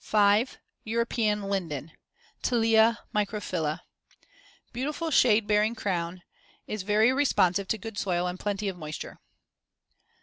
5. European linden (Tilia microphylla) Beautiful shade bearing crown; is very responsive to good soil and plenty of moisture.